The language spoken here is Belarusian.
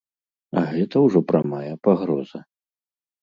А гэта ўжо прамая пагроза.